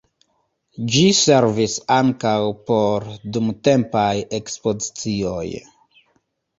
Ĝi servis ankaŭ por dumtempaj ekspozicioj.